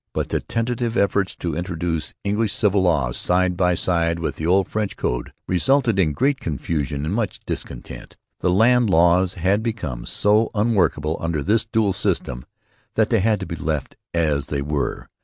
But the tentative efforts to introduce English civil law side by side with the old French code resulted in great confusion and much discontent. The land laws had become so unworkable under this dual system that they had to be left as they were.